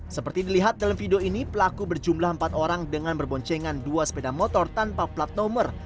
seperti dilihat dalam video ini pelaku berjumlah empat orang dengan berboncengan dua sepeda motor tanpa plat nomor